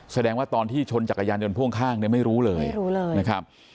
แสดงว่าตอนที่ชนจักรยานยนต์พ่วงข้างเนี่ยไม่รู้เลยไม่รู้เลยนะครับ